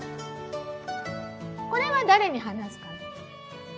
これは誰に話すかな？